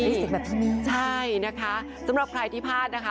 ติดติดแบบพี่มีใช่นะคะสำหรับใครที่พลาดนะคะ